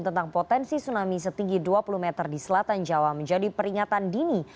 tentang potensi tsunami setinggi dua puluh meter di selatan jawa menjadi peringatan dini